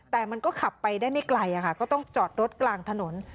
แต่มันก็ขับไปได้ไม่ไกลก็ต้องจอดรถกลางถนน